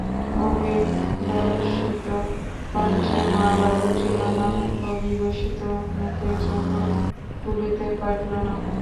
অভিলষিত কণ্ঠে মালাও উঠিল না, অভিলষিত মুখে চোখও তুলিতে পারিল না।